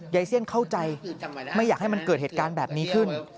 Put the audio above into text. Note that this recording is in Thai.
เซียนเข้าใจไม่อยากให้มันเกิดเหตุการณ์แบบนี้ขึ้น